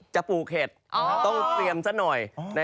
จะปู่เห็ดต้องเตรียมสักหน่อย